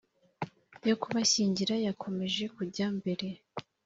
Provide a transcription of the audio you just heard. yo kubashyingira yakomeje kujya mbere